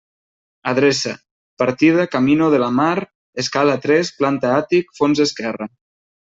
Adreça: partida Camino de la Mar, escala tres, planta àtic, fons esquerra.